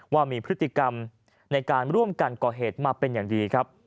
ว่ามีพฤติกรรมในการร่วมกันก่อเหตุมาเป็นอย่างดีครับ